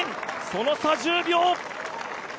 その差１０秒。